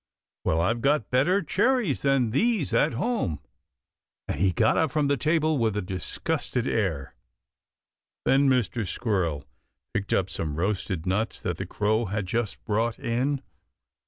"Well, I've got better cherries than these at home," and he got up from the table with a disgusted air. Then Mr. Squirrel picked up some roasted nuts that the Crow had just brought in.